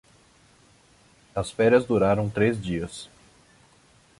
As férias duraram três dias.